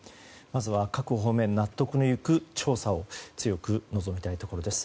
まずは各方面が納得のいく調査を強く望みたいところです。